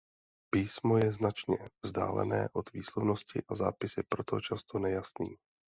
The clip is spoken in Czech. Písmo je značně vzdálené od výslovnosti a zápis je proto často nejasný.